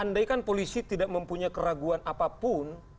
andaikan polisi tidak mempunyai keraguan apapun